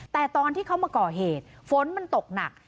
แต่ตอนที่เขามาก่อเหตุฝนมันตกหนัก